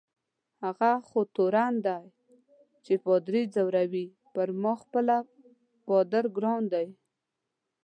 هغه خو تورن دی چي پادري ځوروي، پر ما خپله پادر ګران دی.